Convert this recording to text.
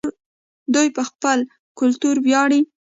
دوی په خپل کلتور ویاړي.